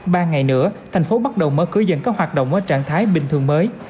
ba ngày nữa thành phố bắt đầu mở cửa dần các hoạt động ở trạng thái bình thường mới